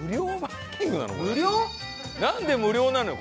なんで無料なのよ？